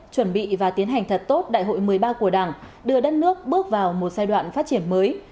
chuẩn bị và tiến hành thật tốt đại hội một mươi ba của đảng đưa đất nước bước vào một giai đoạn phát triển mới